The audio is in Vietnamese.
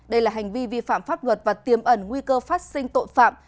đây là hành vi vi phạm pháp luật và tiềm ẩn nguy cơ phát sinh tội phạm